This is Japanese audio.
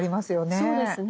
あっそうですね。